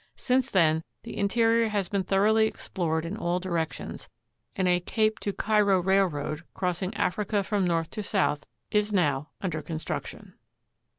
Since then the interior has been thoroughly explored in all directions, and a " Cape to Cairo" railroad, crossing Africa from north to south, is now under construction.